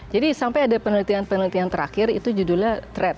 jadi sampai ada penelitian penelitian terakhir itu judulnya threat